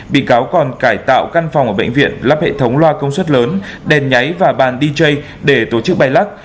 bị cáo còn cải tạo căn phòng ở bệnh viện lắp hệ thống loa công suất lớn đèn nháy và bàn dj để tổ chức bay lắc